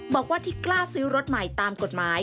บอกว่าที่กล้าซื้อรถใหม่ตามกฎหมาย